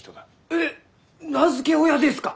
えっ名付け親ですか！？